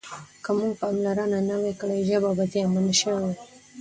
که موږ پاملرنه نه وای کړې ژبه به زیانمنه شوې وای.